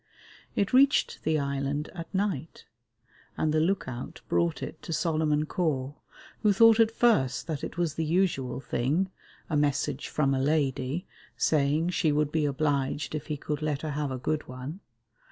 It reached the island at night: and the look out brought it to Solomon Caw, who thought at first that it was the usual thing, a message from a lady, saying she would be obliged if he could let her have a good one.